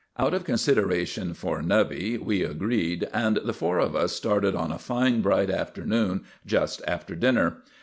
Out of consideration for Nubby we agreed, and the four of us started on a fine bright afternoon just after dinner.